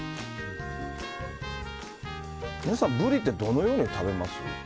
皆さん、ブリってどのように食べます？